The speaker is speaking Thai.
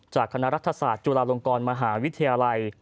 คณะรัฐศาสตร์จุฬาลงกรมหาวิทยาลัย